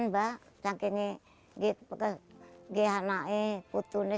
bapak ibu kangen anak putu pak